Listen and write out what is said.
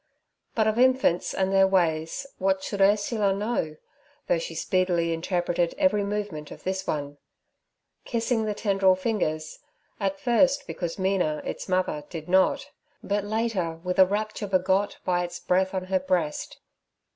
But of infants and their ways what should Ursula know, though she speedily interpreted every movement of this one? Kissing the tendril fingers—at first because Mina, its mother, did not—but later with a rapture begot by its breath on her breast.